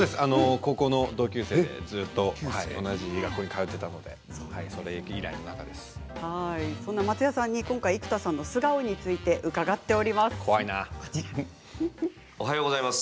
高校の同級生でずっと同じ学校に通っていたので松也さんに生田さんの素顔について伺っています。